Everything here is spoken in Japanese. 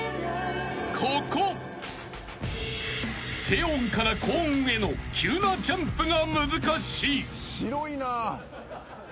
［低音から高音への急なジャンプが難しい］